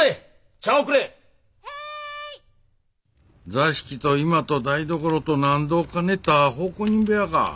座敷と居間と台所と納戸を兼ねた奉公人部屋か。